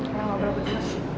karena ngobrol berdiri